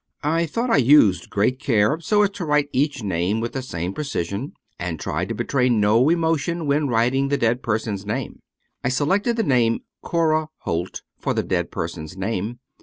I thought I used great care, so as to write each name with the same precision, and tried to betray no emotion when writing the dead person's name. I selected the name " Cora Holt " for the dead person's name.